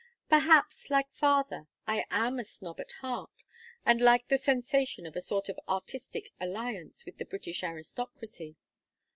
Perhaps, like father, I am a snob at heart and liked the sensation of a sort of artistic alliance with the British aristocracy.